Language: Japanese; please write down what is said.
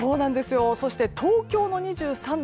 そして、東京も２３度。